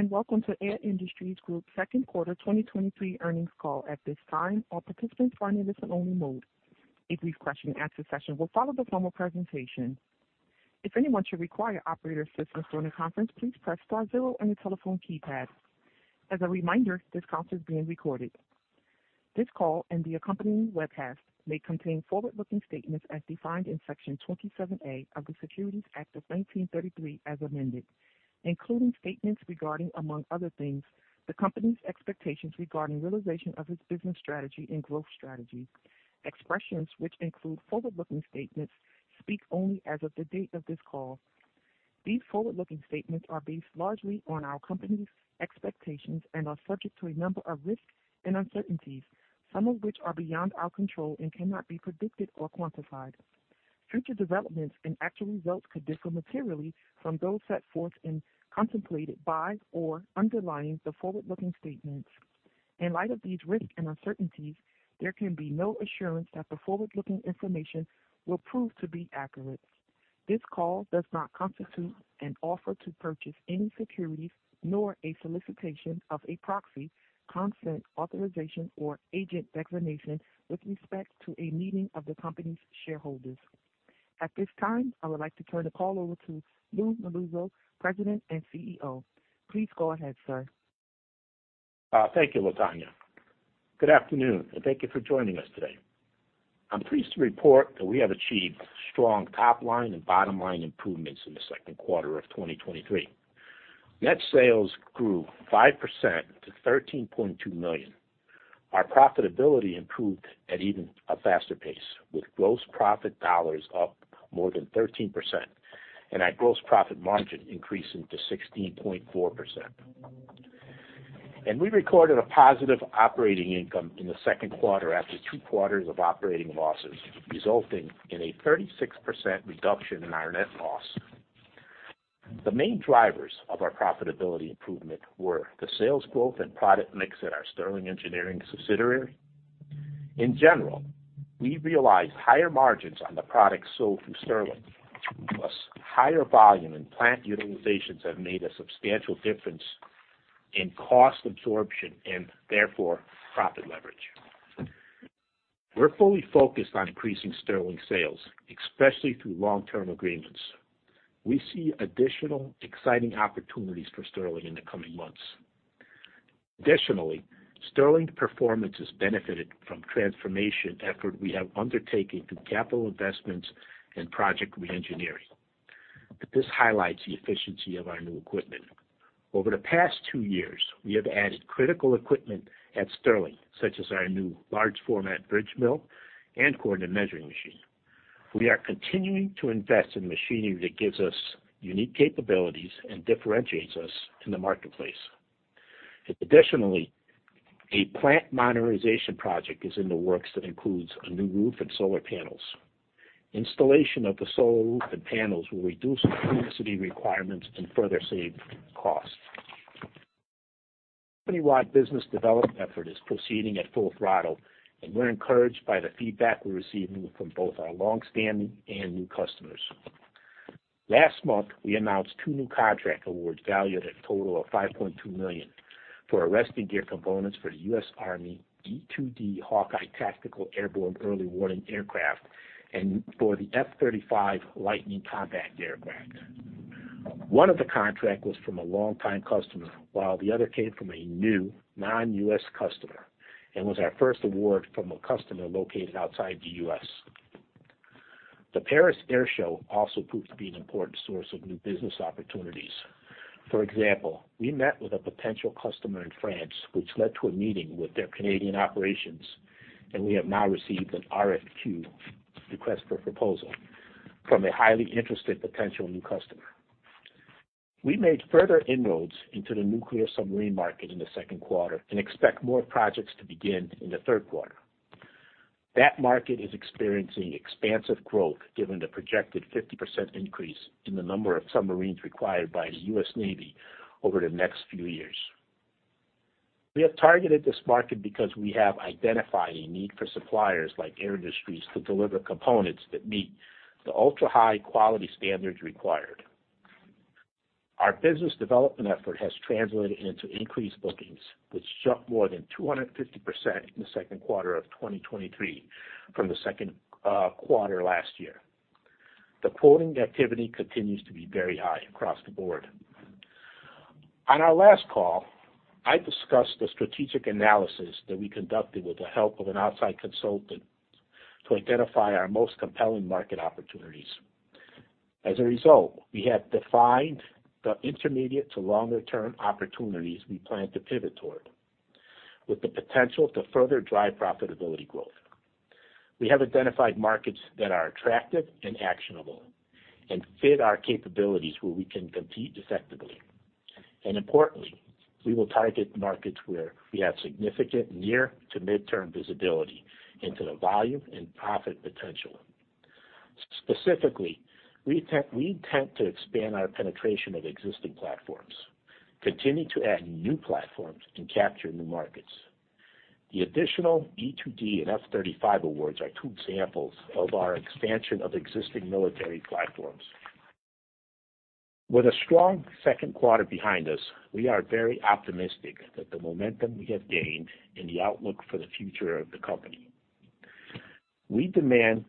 Hello, welcome to Air Industries Group Second Quarter 2023 Earnings Call. At this time, all participants are in listen only mode. A brief question and answer session will follow the formal presentation. If anyone should require operator assistance during the conference, please press star zero on your telephone keypad. As a reminder, this conference is being recorded. This call and the accompanying webcast may contain forward-looking statements as defined in Section 27A of the Securities Act of 1933 as amended, including statements regarding, among other things, the company's expectations regarding realization of its business strategy and growth strategy. Expressions which include forward-looking statements speak only as of the date of this call. These forward-looking statements are based largely on our company's expectations and are subject to a number of risks and uncertainties, some of which are beyond our control and cannot be predicted or quantified. Future developments and actual results could differ materially from those set forth and contemplated by or underlying the forward-looking statements. In light of these risks and uncertainties, there can be no assurance that the forward-looking information will prove to be accurate. This call does not constitute an offer to purchase any securities, nor a solicitation of a proxy, consent, authorization, or agent designation with respect to a meeting of the company's shareholders. At this time, I would like to turn the call over to Lou Melluzzo, President and Chief Executive Officer. Please go ahead, sir. Thank you, Latanya. Good afternoon, thank you for joining us today. I'm pleased to report that we have achieved strong top line and bottom line improvements in the second quarter of 2023. Net sales grew 5% to $13.2 million. Our profitability improved at even a faster pace, with gross profit dollars up more than 13% and our gross profit margin increasing to 16.4%. We recorded a positive operating income in the second quarter after two quarters of operating losses, resulting in a 36% reduction in our net loss. The main drivers of our profitability improvement were the sales growth and product mix at our Sterling Engineering subsidiary. In general, we realized higher margins on the products sold through Sterling, plus higher volume and plant utilizations have made a substantial difference in cost absorption and therefore, profit leverage. We're fully focused on increasing Sterling sales, especially through long-term agreements. We see additional exciting opportunities for Sterling in the coming months. Additionally, Sterling's performance has benefited from transformation effort we have undertaken through capital investments and project reengineering, but this highlights the efficiency of our new equipment. Over the past two years, we have added critical equipment at Sterling, such as our new large format bridge mill and coordinate measuring machine. We are continuing to invest in machinery that gives us unique capabilities and differentiates us in the marketplace. Additionally, a plant modernization project is in the works that includes a new roof and solar panels. Installation of the solar roof and panels will reduce electricity requirements and further save costs. Company-wide business development effort is proceeding at full throttle, and we're encouraged by the feedback we're receiving from both our longstanding and new customers. Last month, we announced two new contract awards valued at a total of $5.2 million for arresting gear components for the US Navy E-2D Advanced Hawkeye tactical airborne early warning aircraft and for the F-35 Lightning II combat aircraft. One of the contract was from a long time customer, while the other came from a new, non-U.S. customer and was our first award from a customer located outside the U.S. The Paris Air Show also proved to be an important source of new business opportunities. For example, we met with a potential customer in France, which led to a meeting with their Canadian operations. We have now received an RFQ request for proposal from a highly interested potential new customer. We made further inroads into the nuclear submarine market in the second quarter and expect more projects to begin in the third quarter. That market is experiencing expansive growth, given the projected 50% increase in the number of submarines required by the US Navy over the next few years. We have targeted this market because we have identified a need for suppliers like Air Industries to deliver components that meet the ultra-high quality standards required. Our business development effort has translated into increased bookings, which jumped more than 250% in the second quarter of 2023 from the second quarter last year. The quoting activity continues to be very high across the board. On our last call, I discussed the strategic analysis that we conducted with the help of an outside consultant to identify our most compelling market opportunities. As a result, we have defined the intermediate to longer term opportunities we plan to pivot toward, with the potential to further drive profitability growth. We have identified markets that are attractive and actionable and fit our capabilities where we can compete effectively. Importantly, we will target markets where we have significant near to mid-term visibility into the volume and profit potential. Specifically, we intend to expand our penetration of existing platforms, continue to add new platforms and capture new markets. The additional E-2D and F-35 awards are two examples of our expansion of existing military platforms. With a strong second quarter behind us, we are very optimistic that the momentum we have gained in the outlook for the future of the company. We demand,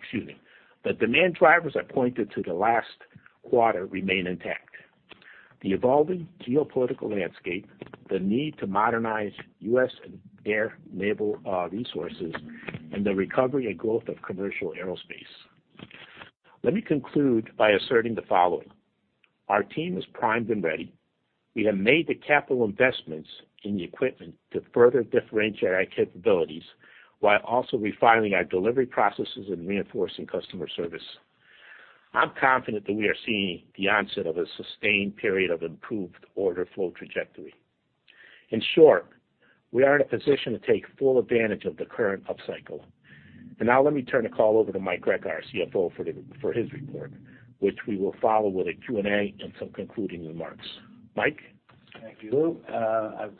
excuse me. The demand drivers I pointed to the last quarter remain intact. The evolving geopolitical landscape, the need to modernize U.S. air naval resources, and the recovery and growth of commercial aerospace. Let me conclude by asserting the following: Our team is primed and ready. We have made the capital investments in the equipment to further differentiate our capabilities, while also refining our delivery processes and reinforcing customer service. I'm confident that we are seeing the onset of a sustained period of improved order flow trajectory. In short, we are in a position to take full advantage of the current upcycle. Now let me turn the call over to Mike Recca, our CFO, for his report, which we will follow with a Q&A and some concluding remarks. Mike? Thank you, Lou.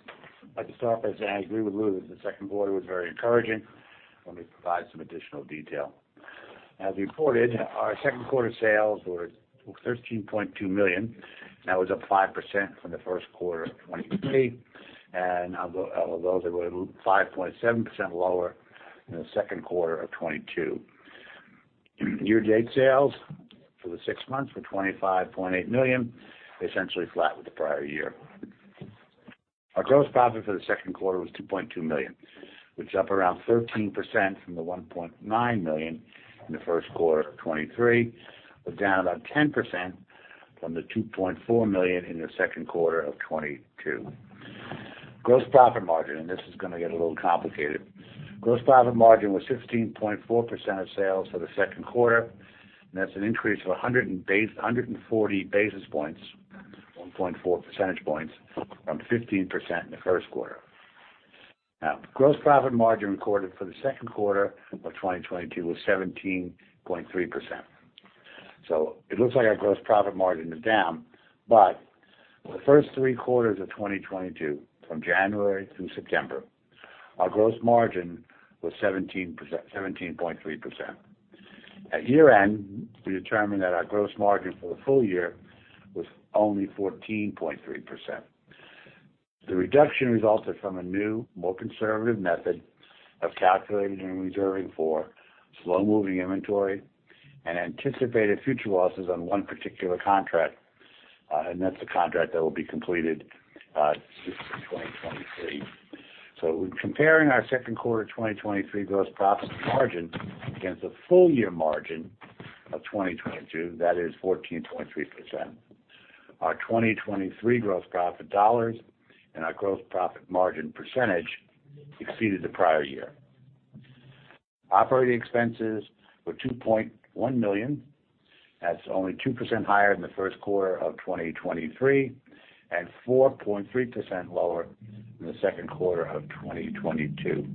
I'd like to start by saying I agree with Lou, that the second quarter was very encouraging. Let me provide some additional detail. As reported, our second quarter sales were $13.2 million, that was up 5% from the first quarter of 2023, although they were 5.7% lower than the second quarter of 2022. Year-to-date sales for the six months were $25.8 million, essentially flat with the prior-year. Our gross profit for the second quarter was $2.2 million, which is up around 13% from the $1.9 million in the first quarter of 2023, down about 10% from the $2.4 million in the second quarter of 2022. Gross profit margin, this is gonna get a little complicated. Gross profit margin was 16.4% of sales for the second quarter, and that's an increase of 140 basis points, 1.4 percentage points, from 15% in the first quarter. Gross profit margin recorded for the second quarter of 2022 was 17.3%. It looks like our gross profit margin is down, but for the first three quarters of 2022, from January through September, our gross margin was 17.3%. At year-end, we determined that our gross margin for the full-year was only 14.3%. The reduction resulted from a new, more conservative method of calculating and reserving for slow-moving inventory and anticipated future losses on one particular contract, and that's the contract that will be completed in 2023. Comparing our second quarter 2023 gross profit margin against the full-year margin of 2022, that is 14.3%. Our 2023 gross profit dollars and our gross profit margin percentage exceeded the prior-year. Operating expenses were $2.1 million. That's only 2% higher than the first quarter of 2023 and 4.3% lower than the second quarter of 2022.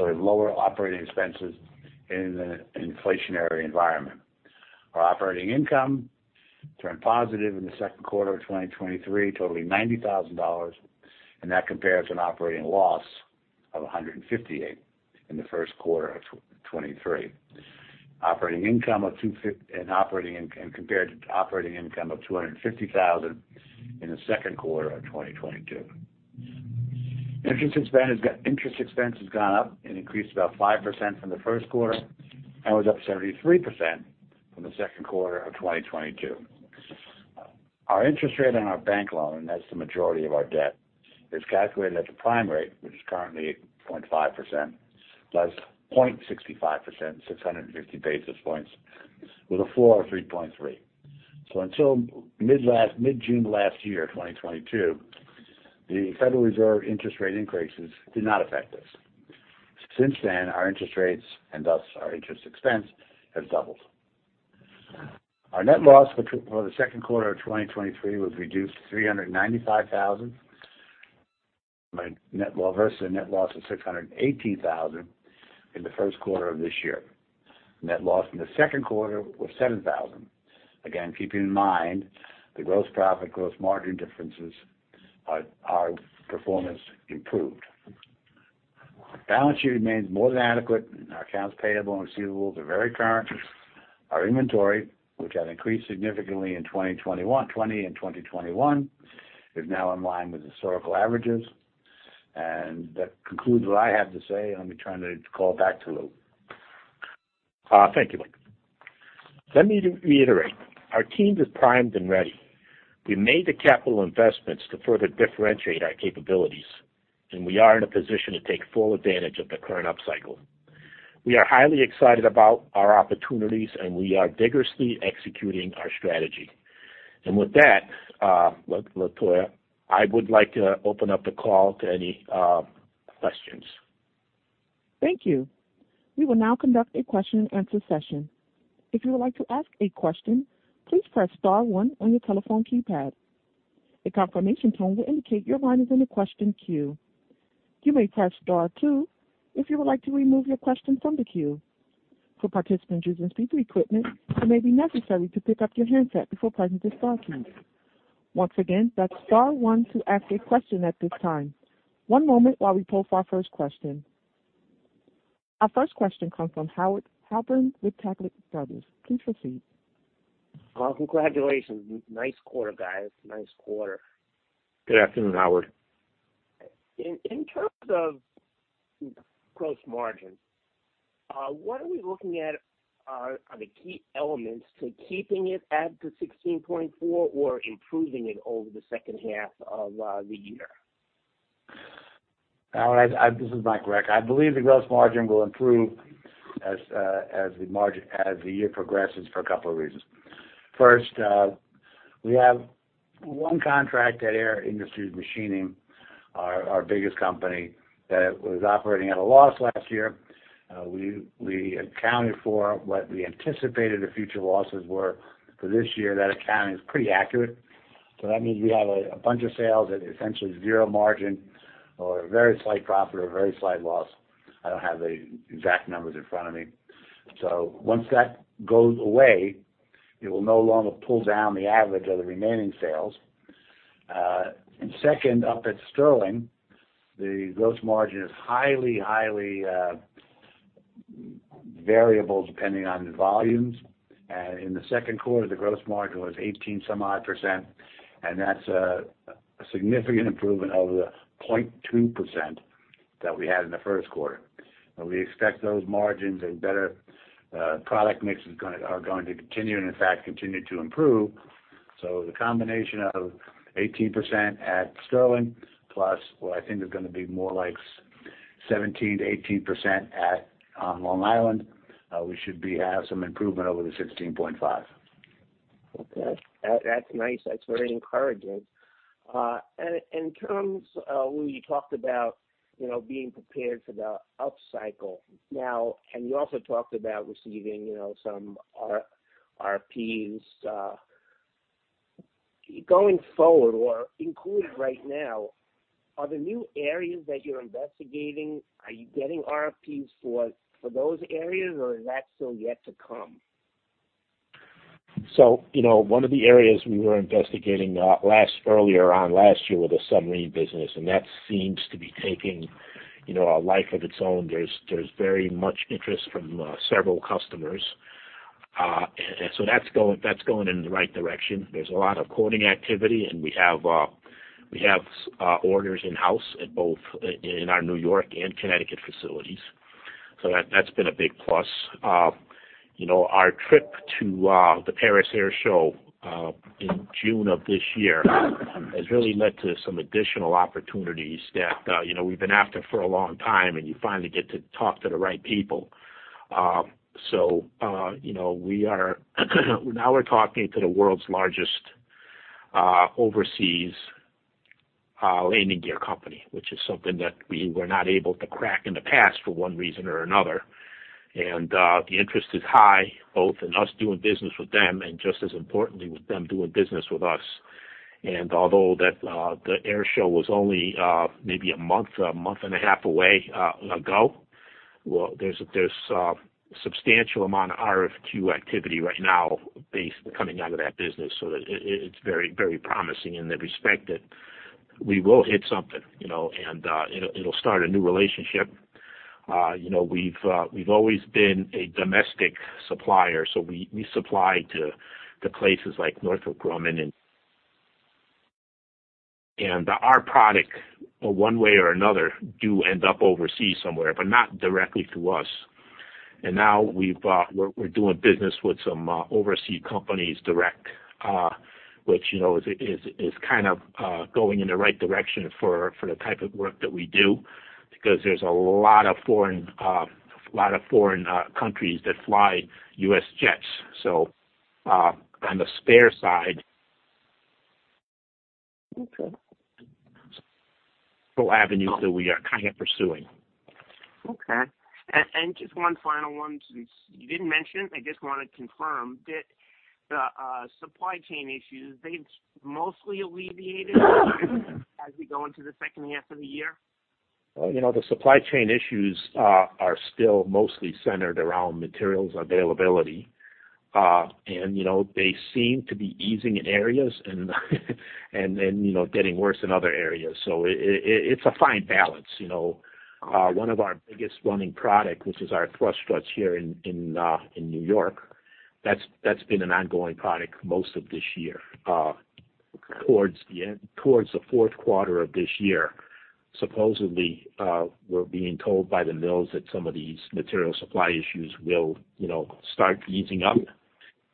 Lower operating expenses in an inflationary environment. Our operating income turned positive in the second quarter of 2023, totaling $90,000, and that compares an operating loss of $158 in the first quarter of 2023. Compared to operating income of $250,000 in the second quarter of 2022. Interest expense has gone up and increased about 5% from the first quarter, and was up 73% from the second quarter of 2022. Our interest rate on our bank loan, that's the majority of our debt, is calculated at the prime rate, which is currently 8.5%, plus 0.65%, 650 basis points, with a 4 or 3.3. Until mid-June 2022, the Federal Reserve interest rate increases did not affect us. Since then, our interest rates, and thus our interest expense, have doubled. Our net loss for the second quarter of 2023 was reduced to $395,000, by net loss versus a net loss of $618,000 in the first quarter of this year. Net loss in the second quarter was $7,000. Again, keeping in mind the gross profit, gross margin differences, our performance improved. Balance sheet remains more than adequate, our accounts payable and receivables are very current. Our inventory, which had increased significantly in 2020, and 2021, is now in line with historical averages. That concludes what I have to say. Let me turn the call back to Lou. Thank you, Mike. Let me reiterate, our team is primed and ready. We made the capital investments to further differentiate our capabilities, and we are in a position to take full advantage of the current upcycle. We are highly excited about our opportunities, and we are vigorously executing our strategy. With that, Latanya, I would like to open up the call to any questions. Thank you. We will now conduct a question and answer session. If you would like to ask a question, please press star one on your telephone keypad. A confirmation tone will indicate your line is in the question queue. You may press star two if you would like to remove your question from the queue. For participants using speaker equipment, it may be necessary to pick up your handset before pressing the star key. Once again, that's star one to ask a question at this time. One moment while we pull for our first question. Our first question comes from Howard Halpern with Taglich Brothers. Please proceed. Well, congratulations. Nice quarter, guys. Nice quarter. Good afternoon, Howard. In, in terms of gross margin, what are we looking at are, are the key elements to keeping it at the 16.4% or improving it over the second half of the year? Howard, I, I, this is Mike Recca. I believe the gross margin will improve as the margin, as the year progresses for a couple of reasons. First, we have 1 contract at Air Industries Machining, our, our biggest company, that was operating at a loss last year. We, we accounted for what we anticipated the future losses were for this year. That accounting is pretty accurate, so that means we have a, a bunch of sales at essentially zero margin or a very slight profit, or a very slight loss. I don't have the exact numbers in front of me. Once that goes away, it will no longer pull down the average of the remaining sales. Second, up at Sterling, the gross margin is highly, highly variable, depending on the volumes. In the second quarter, the gross margin was 18%, and that's a significant improvement over the 0.2% that we had in the first quarter. We expect those margins and better product mix are going to continue and in fact, continue to improve. The combination of 18% at Sterling, plus, well, I think they're gonna be more like 17%-18% at Long Island, we should be have some improvement over the 16.5%. Okay. That, that's nice. That's very encouraging. In terms of when you talked about, you know, being prepared for the upcycle, now, and you also talked about receiving, you know, some RF, RFPs. Going forward or including right now, are the new areas that you're investigating, are you getting RFPs for, for those areas, or is that still yet to come? You know, one of the areas we were investigating last earlier on last year was the submarine business, and that seems to be taking, you know, a life of its own. There's, there's very much interest from several customers. That's going, that's going in the right direction. There's a lot of quoting activity. We have, we have orders in-house at both in our New York and Connecticut facilities, so that-that's been a big plus. You know, our trip to the Paris Air Show in June of this year has really led to some additional opportunities that, you know, we've been after for a long time. You finally get to talk to the right people. You know, we are now we're talking to the world's largest overseas landing gear company, which is something that we were not able to crack in the past for one reason or another. The interest is high, both in us doing business with them and just as importantly, with them doing business with us. Although that the air show was only, maybe 1 month, 1.5 months ago, well, there's a substantial amount of RFQ activity right now based coming out of that business. It, it, it's very, very promising in the respect that we will hit something, you know, and it, it'll start a new relationship. You know, we've, we've always been a domestic supplier, so we, we supply to, to places like Northrop Grumman and, and our product, one way or another, do end up overseas somewhere, but not directly through us. Now we've, we're, we're doing business with some overseas companies direct, which, you know, is, is, is kind of going in the right direction for, for the type of work that we do, because there's a lot of foreign, a lot of foreign countries that fly U.S. jets. On the spare side. Okay. Avenue that we are kind of pursuing. Okay. Just one final one, since you didn't mention it, I just want to confirm. Did the supply chain issues, they've mostly alleviated as we go into the second half of the year? you know, the supply chain issues, are still mostly centered around materials availability. you know, they seem to be easing in areas and, and, you know, getting worse in other areas. It, it, it's a fine balance, you know. one of our biggest running product, which is our thrust struts here in, in New York, that's, that's been an ongoing product most of this year. towards the end, towards the fourth quarter of this year, supposedly, we're being told by the mills that some of these material supply issues will, you know, start easing up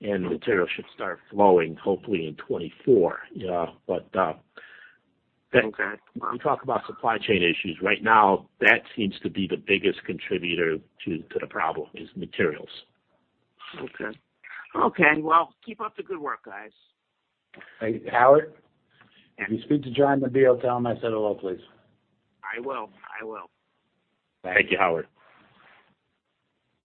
and materials should start flowing hopefully in 2024. Yeah. Okay. When you talk about supply chain issues, right now, that seems to be the biggest contributor to, to the problem, is materials. Okay. Okay, well, keep up the good work, guys. Hey, Howard? Yeah. If you speak to John McBeal, tell him I said hello, please. I will. I will. Thank you, Howard.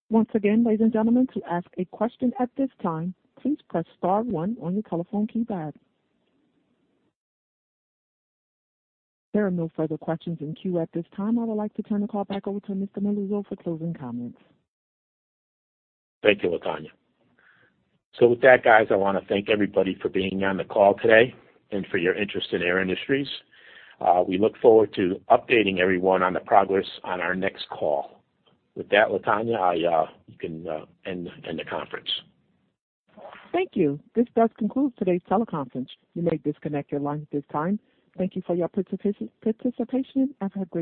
Once again, ladies and gentlemen, to ask a question at this time, please press star one on your telephone keypad. There are no further questions in queue at this time. I would like to turn the call back over to Mr. Melluzzo for closing comments. Thank you, Latanya. With that, guys, I want to thank everybody for being on the call today and for your interest in Air Industries. We look forward to updating everyone on the progress on our next call. With that, Latanya, I, you can, end, end the conference. Thank you. This does conclude today's teleconference. You may disconnect your line at this time. Thank you for your participation and have a great day.